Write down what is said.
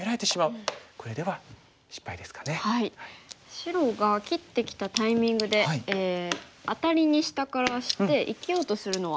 白が切ってきたタイミングでアタリに下からして生きようとするのはどうでしょうか？